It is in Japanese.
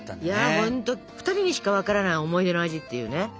いやほんと２人にしかわからない思い出の味っていうね。